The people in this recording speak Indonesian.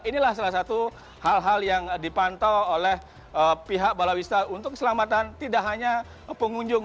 inilah salah satu hal hal yang dipantau oleh pihak balawista untuk keselamatan tidak hanya pengunjung